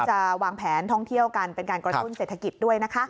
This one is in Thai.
เพื่อที่จะวางแผนท่องเที่ยวการไกระทุดเศรษฐกิจด้วยนะครับ